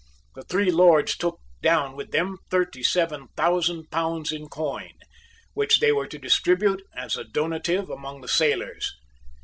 The three Lords took down with them thirty seven thousand pounds in coin, which they were to distribute as a donative among the sailors.